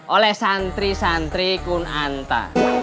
oleh santri santri kunanta